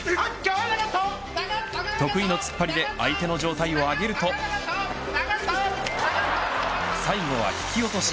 得意の突っ張りで相手の上体を上げると最後は引き落とし。